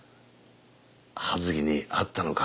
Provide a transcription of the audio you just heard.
葉月に会ったのか。